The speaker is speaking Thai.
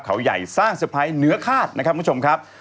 เขาใหญ่สร้างสุดสนใจเหนือขาดนะครับคุณผู้ชมครับ